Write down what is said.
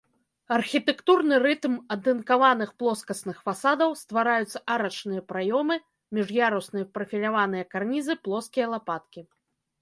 Архітэктурны рытм атынкаваных плоскасных фасадаў ствараюць арачныя праёмы, між'ярусныя прафіляваныя карнізы, плоскія лапаткі.